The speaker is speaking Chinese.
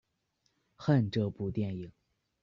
恨这部电影！